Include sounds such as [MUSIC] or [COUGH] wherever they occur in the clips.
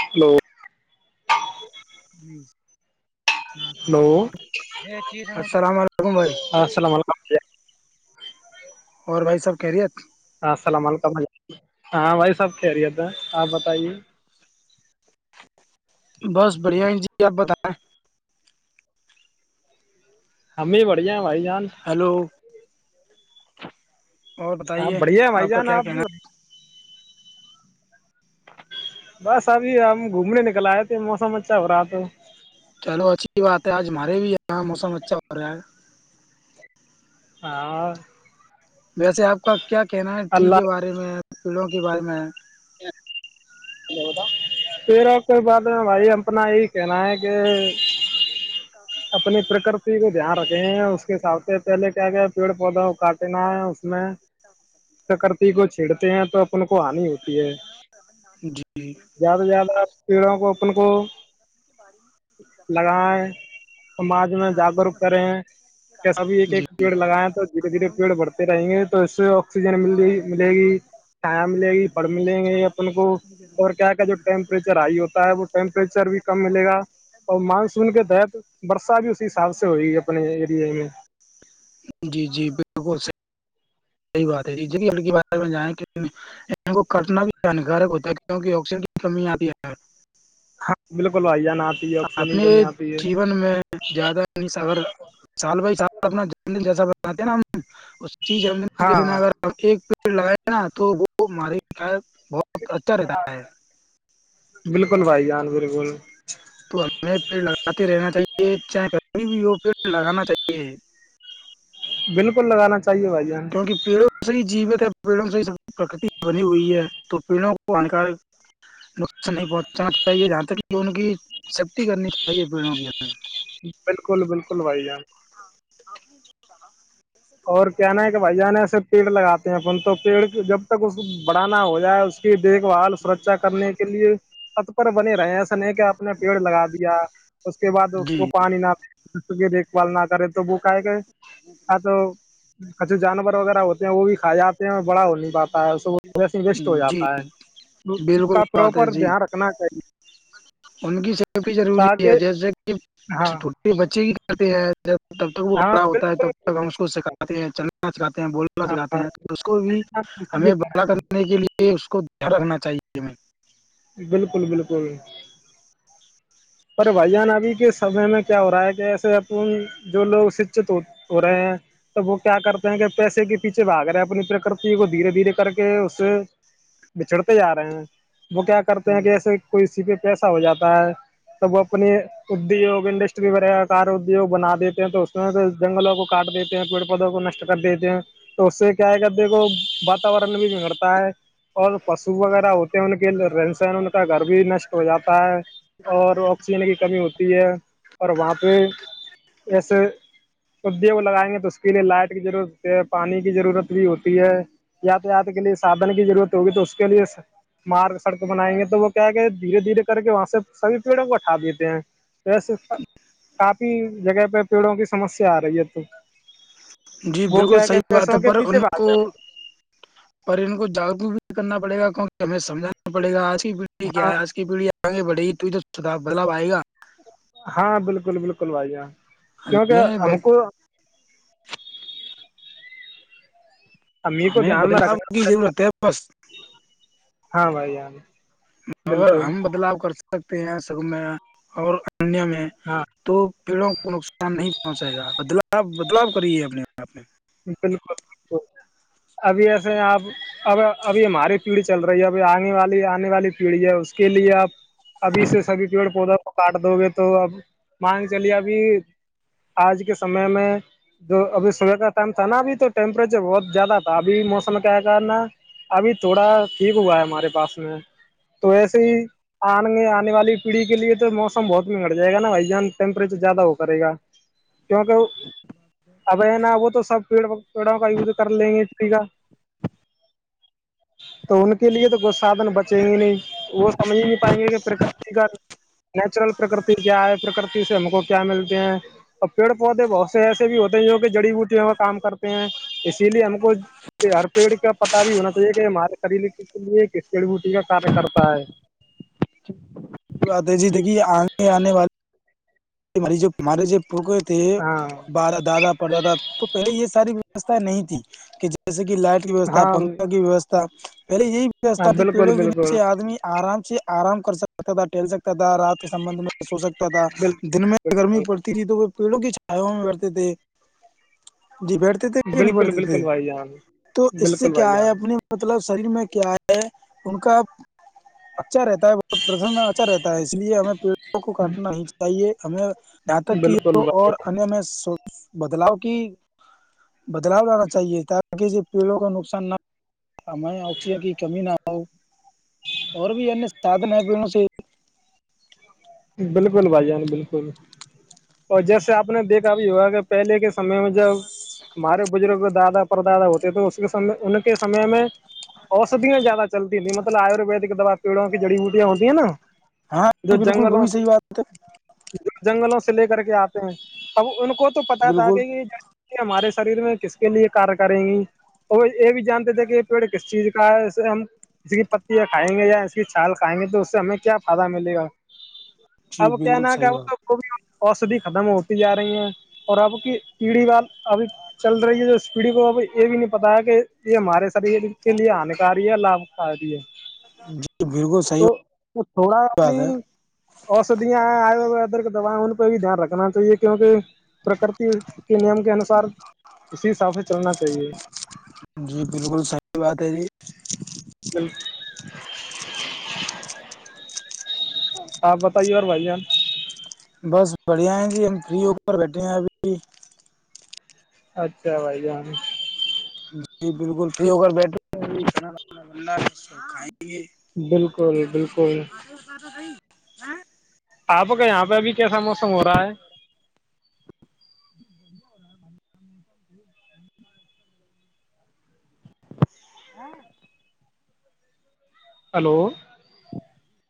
Hello [UNINTELLIGIBLE] hello السلام علیکم بھائی [UNINTELLIGIBLE] [UNINTELLIGIBLE] السلام علیکم اور بھائی سب کہہ رہیے [UNINTELLIGIBLE] [UNINTELLIGIBLE] السلام علیکم ہاں بھائی صحب خیریت ہے آپ بتائیے [UNINTELLIGIBLE] [UNINTELLIGIBLE] بس بڑھیا ہی جی آپ بتائیں [UNINTELLIGIBLE] [UNINTELLIGIBLE] ہمیں بڑھیا [UNINTELLIGIBLE] [UNINTELLIGIBLE] بھائی جان [UNINTELLIGIBLE] [UNINTELLIGIBLE] [INAUDIBLE] [UNINTELLIGIBLE] ہاں بڑھیا بھائی کا جان کیا آپ کہنا بھی [UNINTELLIGIBLE] [UNINTELLIGIBLE] ہے؟ بس ابھی ہم گھومنے نکل آئے تھے موسم اچھا ہو رہا تو [UNINTELLIGIBLE] [UNINTELLIGIBLE] چلو اچھی بات ہے آج ہمارے بھی یہاں موسم اچھا ہو رہا ہے [UNINTELLIGIBLE] [UNINTELLIGIBLE] ہاں [UNINTELLIGIBLE] [UNINTELLIGIBLE] ویسے آپ کا [UNINTELLIGIBLE] [UNINTELLIGIBLE] کیا کہنا ہے ٹری کے اللہ بارے میں [UNINTELLIGIBLE] [UNINTELLIGIBLE] پلوں کے بارے میں [UNINTELLIGIBLE] [UNINTELLIGIBLE] تیرا کوئی بات نہیں بھائی اپنا یہی کہنا ہے کہ اپنی پرکرتی کو دھیان رکھے ہیں اس کے حاب سے پہلے کیا کیا پیڑ پودا کو کاٹینا ہے اس میں پرکرتی کو چھیڑتے ہیں تو اپن کو آ [UNINTELLIGIBLE] [UNINTELLIGIBLE] زیادہ سے جی زیادہ پڑوں کو [UNINTELLIGIBLE] [UNINTELLIGIBLE] اپپ کو [UNINTELLIGIBLE] [UNINTELLIGIBLE] لگائے سماج میں جاگروک کریں کیسا بھی ایک جی ایک پیڑ لگائیں تو دھیرے دھیرے پیڑ بڑھتے رہیں گے تو اس سے آکسیجن مل رہ ملے گی سھیا ملے گی [UNINTELLIGIBLE] ڑ ملیں گے اپ کو اور کیا کیا جو ٹیمپریچر ہائی ہوتا ہے وہ ٹیمپریچر بھی کم ملے گا اور مانسون کے تحت برسا بھی اسی حساب سے ہوئے گی اپنے ارییا میں [UNINTELLIGIBLE] جی جی بالکل صحیح [UNINTELLIGIBLE] یہی بات ہے ج کی بار میں جائیں کو کٹنا بھی ہانیکارک ہوتا ہے کیوںک آکسیجن کی کمی آتی ہے ہاں بالکل بھائی جان آتی ہے [UNINTELLIGIBLE] آکسیجن کی اپنے کمی آتی ہے جیون میں زیادہ نہیں اگر سال بائی سال اپنا ج دن جیسا [UNINTELLIGIBLE] کہتے ہیں نا ہم اس چیز اندر [UNINTELLIGIBLE] کے دن ہاں اگر آپ ایک [UNINTELLIGIBLE] پ لگائے نا تو وہ مار [UNINTELLIGIBLE] بہت اچھا رہتا ہے [UNINTELLIGIBLE] بالکل بھائی جان بالکل [UNINTELLIGIBLE] تو ہمیں پیڑ لگاتے رہنا چاہیے چاہےھی بھی وہ پیڑ لگانا چاہیے [UNINTELLIGIBLE] بالکل لگانااہی [UNINTELLIGIBLE] کیونکہ پیڑوں سے ہی جیوت ہے [UNINTELLIGIBLE] پیڑوں سےب پرکتی بنی ہوئی ہے تو پیڑوں کو ہانکارک نقصان نہیں پہنچانا چاہیے جہاں تک کہ ان کی سیفٹی کرنی چاہیے پیڑوں کی [UNINTELLIGIBLE] بالکل بالکل بائی جان [UNINTELLIGIBLE] نا [UNINTELLIGIBLE] اور کیانا ہے کہ بھائی جان ایسے پیڑ لگاتے ہیں پن تو پیڑ جب تک اس بڑھانا ہو جائے اس کی دیکھ بھال سرچا کرنے کے لیے [UNINTELLIGIBLE] اتپر بنے رہے ایسا نہیں کہ آپ نے پیڑ لگا دیا [UNINTELLIGIBLE] اس کے بعد اس کو جی پانی نہ [UNINTELLIGIBLE] دیکھ بال نہ کرے تو وہ کاائے کر آ تو کچھ جانور وغیرہ ہوتے ہیں وہ بھی کھا جاتے ہیں بڑا ہو نہیں پاتا ہے وس ہی ویسٹ ہو جی جاتا ہے اس بالکل کا بات ہے پراپر جی دھیان رکھنا چاہیے ان کی سیفٹی ضروری ہے تاکہ جیسے کہ ہاں چے بچے کی کر ہیں تب تک وہ ہاں بڑا ہوتا ہے بالکل تب تک ہم اس کو سکھاتے ہیں چل پچ کات بول سکھاتے ہیں ہاں اس کو بھی ہمیں بڑا کرنے کے لیے اس کو یہ رکھنا چاہیے ہمیں بالکل بالکل پر بھائی جان ابھی کے سمے میں کیا ہو رہا ہے کہ ایسے جو لوگ اس چت ہو رہے ہیں تب وہ کیا کرتے ہیں کہ پیسے کے پیچھے بھاگ رہے ہیں اپنی پرکرتی کو دھیرے دھیرے کر کے اس سے بچھڑتے جا رہے ہیں وہ کیا کرتے ہیں ہمیں کہ ایسے کوئی کسی پہ پیسا ہو جاتا ہے توب وہ اپنی ادیوگ انڈسٹری وغیرہ کار ادیوگ بنا دیتے ہیں تو اس میں تو جنگلوں کو کاٹ دیتے ہیں پیڑ پودوں کو نشٹ کر دیتے ہیں تو اس سے کیا ہے کہتے ہیں کو واتاورن بھی بگڑتا ہے اور پشو وغیرہ ہوتے ہیں ان کے رہن سہن ان کا گھر بھی نشٹ ہو جاتا ہے اور آکسیجن کی کمی ہوتی ہے اور وہاں پہ ایسے ادیوگ لگائیں گے تو اس کے لیے لائٹ کی ضرورت ہوتی ہے پانی کی ضرورت بھی ہوتی ہے یاتایات کے لیے سادھن کی ضرورت ہوگی تو اس کے لیے مارگ سڑک بنائیں گے تو وہ کیا کہ دھیرے دھیرے کر کے وہاں سے سبھی پیڑوں کو ہٹھا دیتے ہیں ویسے کافی جگہ پہ پیڑوں کی سمسیا آ رہی ہے تو جی وہ بالکل کیا ہے کہ صحیح بات ہے پیسوں کے پر پیچھے ان بھاگ کو رہے. پر ان کو جاگروک بھی کرنا پڑے گا کہ ہمیشہ سمجانا پڑے گا آج کی پیڑھی ہاں کیا ہے آج کی پیڑھییا آے بڑے یہ ت تو تو بدلاؤ آئےا ہاں بالکل بالکل بھائییا کیونکہ ہمیں ہم کو کو ہمیں دھیان میں بدلاؤ رکھنا کی پڑے ضرورت گا ہے بس ہاں بھائی یاار مگر ہم بدلاؤ کر سکتے پ سگم اور [UNINTELLIGIBLE] دیا میں ہاں تو پیڑوں کو نقصان نہیں پہنچائے گا بدلا بدلاؤ کریے اپنے آپ میں بالکل ابھی ایسے آپ اب ابھی ہماری پیڑھی چل رہی ہے ابھی آنے والی آنے والی پیڑھی ہے اس کے لیے آپ ابھی سے سبھی پیڑ پودوں کو کاٹ دو گے تو اب مانگ چلیے ابھی آج کے سمے میں جو ابھی صبح کا تھا نا ابھی تو ٹیمپریچر بہت زیادہ تھا ابھی موسم کیا ہے کر نا ابھی تھوڑا ٹھیک ہوا ہے ہمارے پاس میں تو ایسے ہی آ آنے والی پیڑھی کے لیے تو موسم بہت منگٹ جائے گا نا بھائی جان ٹیمپریچر زیادہ ہو کرے گا کیکہ اب نا وہ تو سب پیڑوں کا یوز کر لیں گے کا تو ان کے لیے تو کئی سادھن بچیں گے نہیں وہ سمجھ ہی نہیں پائیں گے کہ پرکرتی کا نیچرل پرکرتی کیا ہے پرکرتی سے ہم کو کیا ملتے ہیں اور پیڑ پودے بہت سے ایسے بھی ہوتے ہیں جو کہ جڑی بوٹییا کام کرتے ہیں اسی لیے ہم کو ہر پیڑ کا پتا بھی ہونا چاہیے کہ ہمارے خریل لیے کس جیڑی بوٹی کا کاریہ کرتا ہے بات جی دیکھیے آنے آنے والے مری جو مارے جو پکے تھے ہاں بارہ دادا پر دادا تو پہلے یہ ساری ویوستھائ نہیں تھی کہ جیسے کہ لائٹ کی ویوستھا ہاں پنکھا کی ویوستھا پہلے یہی ہاں ویستا تھی بالکل پیڑوں کے بالکل نچے آدمی آرام سے آرام کر سکتا تھا ٹہل سکتا تھا رات کے سمبندھ میں سو سکتا تھا بالکل دن میں گرمی بالکل پڑتی تھی تو پیڑوں کی چھیا میں برھتے تھے جی بیٹھتے تھے کہ نہیں بالکل بیٹھتے بالکل تھے بھائی جان تو اس سے بالکل بھائی کیا ہے جان اپنے مطلب شریر میں کیا ہے ان کا اچھا رہتا ہے بہت پرسن اچھا رہتا ہے اس لیے ہمیں پیڑ وہ کو کاٹنا ہیاہے جے ہمیں نت کی بالکل بھائی اور انیہ میں س بدلاؤ کی بدلاؤ لانا چاہیے تاکہ پیڑوں کو نقصان نہ ہمیں آکسیجن کی کمی نہ ہو اور بھی انیہ سھن ہے پیڑوں سے بالکل بھائی جان بالکل اور جیسے آپ نے دیکھا بھی ہوگا کہ پہلے کے سمے میں جب ہمارے بزرگ دادا پر دادا ہوتے تو اس کے سے انہیں کے سمے میں اودیاں زیادہ چلتی تھیں مطلب آیورویدک دوا پیڑوں کی جڑی بوٹیاں ہوتی ہیں نا ہاں ج بالکل وہ جگوں بھی سے صحیح بات ہے جنگلوں سے لے کر کے آتے ہیں اب ان کو تو پتا تھا کہ بالکل یہ ج ہمارے سے شریر میں کس کے لیے کار کریں گی اور یہ بھی جانتے تھے کہ یہ پیڑ کس چیز کا ہے اس سے ہم اس کی پتیاں کھائیں گے یا اس کی چھال کھائیں گے تو اس سے ہمیں کیا فائدہ ملے گا جی اب کیا بالکل نام کہ صحیح وہ بات اوسدھی ختم ہوتی جا رہی ہیں اور اب کی پیڑھی وال ابھی چل رہی ہے جو اس پیڑھی کو اب یہ بھی نہیں پتا ہے کہ یہ ہمارے شریر کے لیے ہان کاری ہے لابھکاری ہے جی بالکل صحیح تو وہ تھوڑا بات اپنی ہے اوسدیاں ہیں آودر دوائیں ان پہ بھی دھیان رکھنا چاہیے کیونکہ پرکرتی کے نیم کے انوسار اسی حساف سے چلنا چاہیے جی بالکل صحی بات ہے جی ج ا آپ بتائیے ار بھائی جان بس بڑھیا ہیں جی ہم فری اوپر بیٹھے ہیں ابھی اچھا بھائی جان جی بالکل فری ہو کر بیٹھے گے بالکل بالکل ہ آپ کا یہاں پہ ابھی کیسا موسم ہو رہا ہے ج ب ہو رہا ہے ہلو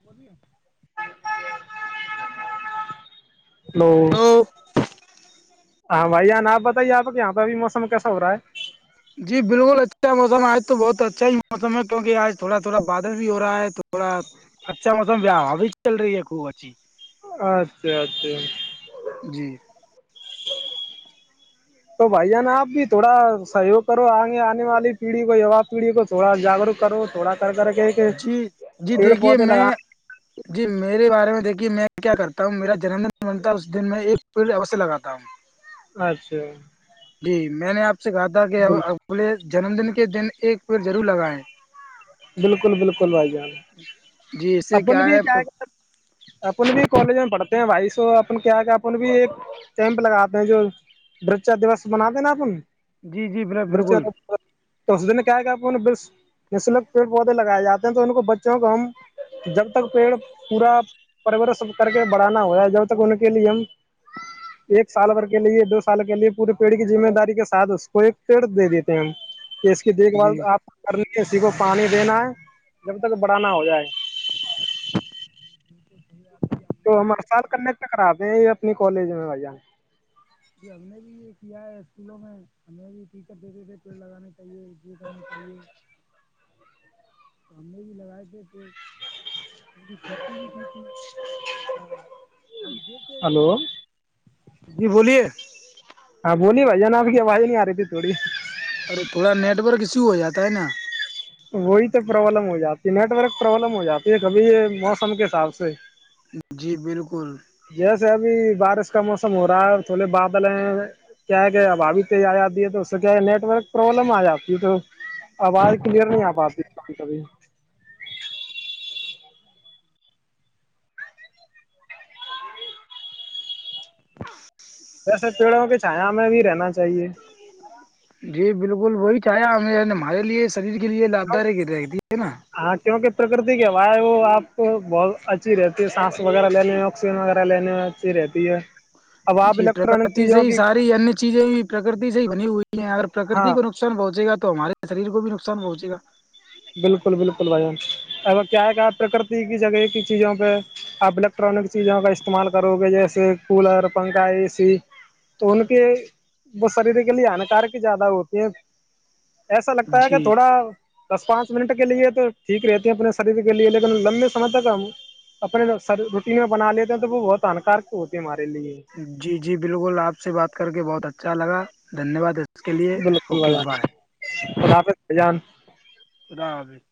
بولیے ہو ہلو ہاں بھائی ن آپ بتائیے آپ یہاں پہ اب موسم کیسا ہو رہا ہے جی بالکل اچھا موسم آج تو بہت اچھا ہی موسم ہے کیونکہ آج تھوڑا تھوڑا بادل بھی ہو رہا ہے تھوڑا اچھا موسما بھی چل رہی ہے خوب اچھی اچھا اچھا جی تو بھائی جانا آپ بھی تھوڑا سہیوگ کرو آئگے آنے والی پیڑھی کو یو پیڑھی کو تھوڑا جاگروک کرو تھوڑا کر کر کے کہ جی جی پیڑ دیکھیے پودے میں لگا جی میرے بارے میں دیکھیے میں میں کیا کرتا ہوں میرا جنمدن بنتا ہے اس دن میں ایک پیڑ اوشیہ لگاتا ہوں اچھا جی میں نے آپ سے گا تھا کہ بالکل اے جنم دن کے دن ایک پیر ضرور لگائیں بالکل بالکل بھائی جان جی اس سے اپن بھی کیا ہے اپن بھی کالج میں پڑھتا بائیسو اپن کیا کیا ان بھی ایک کیمپ لگاتے ہیں جو برجا دوس منا د نا اپن جی جی ب برچ بالکل تو اس دن میں کیا ہے کیاپ بس نشلک پیڑ پودے لگائے جاتے ہیں تو ان کو بچوں کو ہم جب تک پیڑ پورا پرورش کر کے بڑھانا ہوا ہے جب تک ان کے لیے ہم ایک سال بھر کے لیے دو سال کے لیے پورے پیڑ کی ذمے داری کے ساتھ اس کو ایک پیڑ دے دیتے ہیں ہم اس کی دیکھ بھال جی آپ کرنے کسی کو پانی دینا ہے جب تک بڑانا ہو جائے بال [UNINTELLIGIBLE] اپنے کالج میں بھیا جی ہم نے بھی یہ کیا ہے اسکولوں میں ہمیں بھی ٹیچر دیتے تھے پیڑ لگانے چاہیے یہ کرنی چاہیے ہممے بھی لگائے تھے ایک ان کی کھیتی بھی کی تھی پر اب دتے ہلو جی بولیے ہاں بولیے بھائی جان آپ کی آواز نہیں آ رہی تھی تھوڑی ارے تھوڑا نیٹورک ایشو ہو جاتا نا وہی تو پرابلم ہو جاتی نیٹورک پرابلم ہو جاتی ہے کبھی موسم کے حساب سے جی بالکل جیسے ابھی بارش کا موسم ہو رہا ہے تھوڑے بادل ہیں کیا ہے کیا اب اابھی تیز آ جاتی ہے تو اس سے کیا ہے نیٹ ورک پروابلم آ جاتی ہے تو آواز کلیئر نہیں آ پاتی کبھی ہ [UNINTELLIGIBLE] ویسے پیڑوں کے چائنا میں بھی رہنا چاہیے جی بالکل وہی چاہیا ہم ہمارے لیے شریر کے لیے لابھداک رہتی ہے نا ائے وہ آپ کو بہت اچھی رہتی ہے سانس وغیرہ لینے میں آکسیجن وغیرہ لینے میں اچھی رہتی ہے اب آپ جی الیکٹرانک پرکرتی سے چیزوں ہی کی ساری انیہ چیزیں بھی پرکرتی سے ہی بنی ہوئی ہے اگر ہاں پرکرتی کو نقصان پہنچے گا تو تو ہمارے شریر کو بھی نقصان پہنچےا بالکل بالکل بھائیان اگر کیا ہے کیا پرکرتی کی جگہ کی چیزوں پہ آپ الیکٹرانک چیزوں کا استعمال کرو گے جیسے کولر پنکھا اے سی تو ان کے وہ شریر کے لیے ہانکارک زیادہ ہوتی ہے ایسا لگتا ہے کہ جی تھوڑا دس پانچ منٹ کے لیے تو ٹھیک رہتے ہیں اپنے شریر کے لیے لیکن لمبے سمے تک ہم اپنے روٹین میں بنا لیتے ہیں تو وہ بہت ہانکارک ہوتے ہے ہمارے لیے جی جی بالکل آپ سے بات کر کے بہت اچھا لگا دھنیہ واد اس کے لیے بالکل اوکے وزاک بائے خدافظ بجان خدا حافظ